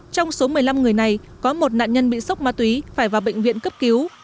trong số một mươi năm người này có một nạn nhân bị sốc ma túy phải vào bệnh viện cấp cứu